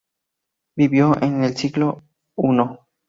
Vivió en el siglo I a.